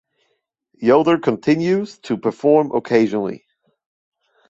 Yoder continues to perform occasionally.